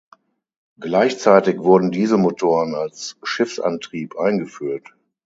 Gleichzeitig wurden Dieselmotoren als Schiffsantrieb eingeführt.